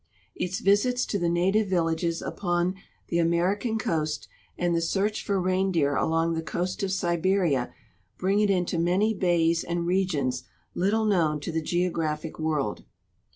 Its visits to the native villages upon the American coast and the search for reindeer along the coast of Siberia bring it into. many bays and regions little known to the geogra})hic world.